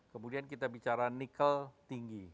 kemudian kita bicara nikel tinggi